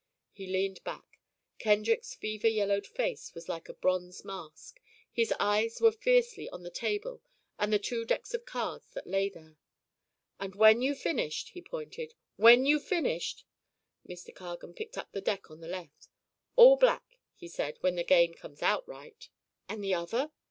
He leaned back. Kendrick's fever yellowed face was like a bronze mask. His eyes were fiercely on the table and the two decks of cards that lay there. "And when you've finished," he pointed. "When you've finished " Mr. Cargan picked up the deck on the left. "All black," he said, "when the game comes out right." "And the other?"